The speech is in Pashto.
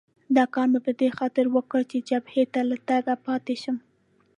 دا کار مې په دې خاطر وکړ چې جبهې ته له تګه پاتې شم.